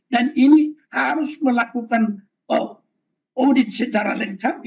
dan ini harus melakukan audit secara lengkap